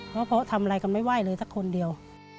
เพราะทำอะไรกันไม่ไหวเลยสักคนเดียว